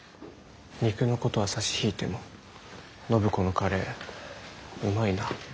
肉のことは差し引いても暢子のカレーうまいな。